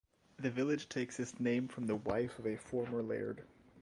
The village takes its name from the wife of a former laird.